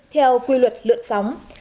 theo quy luật lượn sóng